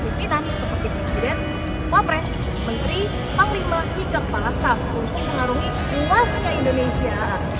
pimpinan seperti presiden menteri panglima tiga kepala staf untuk mengarungi luasnya indonesia